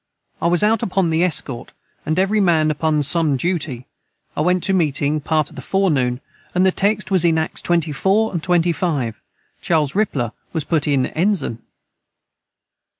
I was out upon the escort and every man upon som duty I went to meeting part of the fore noon and the text was in acts 24 & 25 Charles Ripla was put in Ensign.